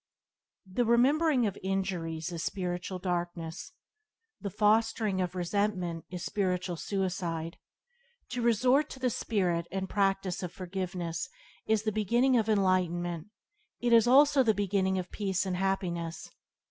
HE remembering of injuries is spiritual darkness; the fostering of resentment is spiritual suicide. To resort to the spirit and practice of forgiveness is the beginning of enlightenment; it is also the beginning of peace and happiness.